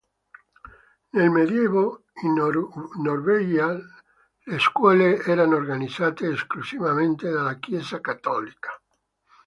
Nel medioevo in Norvegia le scuole erano organizzate esclusivamente dalla chiesa cattolica.